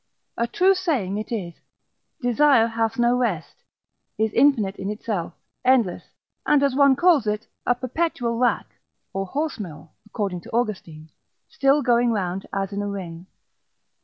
A true saying it is, Desire hath no rest; is infinite in itself, endless; and as one calls it, a perpetual rack, or horse mill, according to Austin, still going round as in a ring.